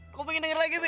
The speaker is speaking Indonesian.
aku pingin denger lagi pi